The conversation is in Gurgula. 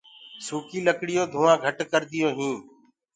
سوڪيٚ لڪڙيونٚ ڌوآنٚ ڀوت گھٽ ڪرديونٚ هينٚ۔